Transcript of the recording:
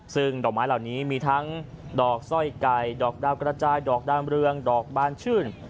ซึ่งดอกไม้เหล่านี้มีทั้งดอกสร้อยไก่ดอกดาวกระจายดอกดามเรืองดอกบานชื่น